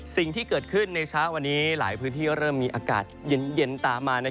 สิ่งที่เกิดขึ้นในเช้าวันนี้หลายพื้นที่เริ่มมีอากาศเย็นตามมา